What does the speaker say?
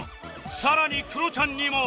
さらにクロちゃんにも